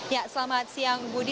ya selamat siang budi